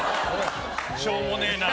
しょうもねえな。